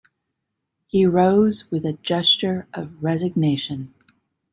He rose with a gesture of resignation.